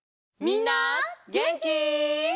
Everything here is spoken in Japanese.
みんなげんき？